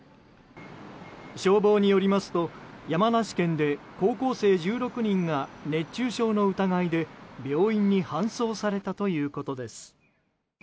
消防によりますと山梨県で高校生１６人が熱中症の疑いで、病院に搬送されたということです。